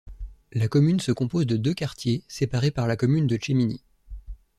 La commune se compose de deux quartiers séparés par la commune de Čeminy.